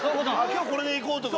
今日これでいこうとか。